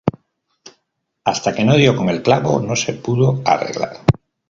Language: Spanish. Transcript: Hasta que no dio con el clavo, no se pudo arreglar